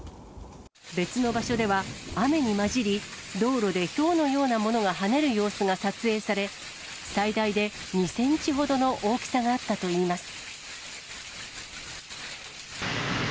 別の場所では雨に交じり、道路でひょうのようなものがはねる様子が撮影され、最大で２センチほどの大きさがあったといいます。